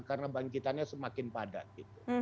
karena bangkitannya semakin padat